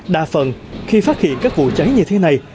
đa phần khi phát hiện các vụ cháy như thế này